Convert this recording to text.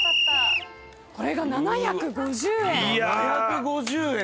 これが７５０円。